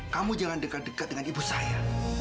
kamu jangan dekat dekat dengan ibu saya